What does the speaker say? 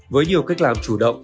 với nhiều cách làm chủ động